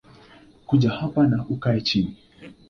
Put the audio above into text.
Kuja hapa na ukae chini